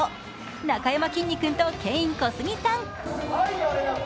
なかやまきんに君とケイン・コスギさん。